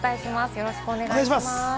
よろしくお願いします。